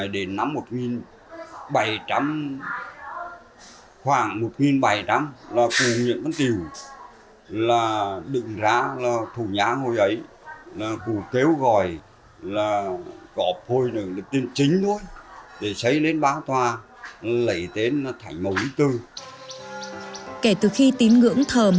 đền chợ củi huyện nghi xuân tỉnh hà tĩnh